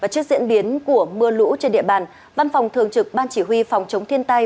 trước diễn biến của mưa lũ trên địa bàn văn phòng thường trực ban chỉ huy phòng chống thiên tai